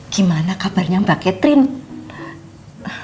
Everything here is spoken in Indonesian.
gimana kabarnya mbak catherine